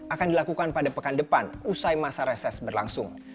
akan dilakukan pada pekan depan usai masa reses berlangsung